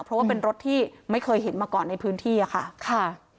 เพราะว่าเป็นรถที่ไม่เคยเห็นมาก่อนในพื้นที่อะค่ะ